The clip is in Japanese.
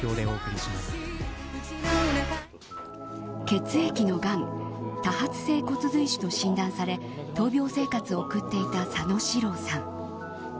血液のがん多発性骨髄腫と診断され闘病生活を送っていた佐野史郎さん。